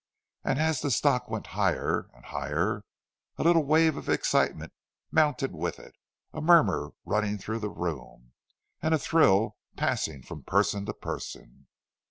And as the stock went higher and higher, a little wave of excitement mounted with it, a murmur running through the room, and a thrill passing from person to person.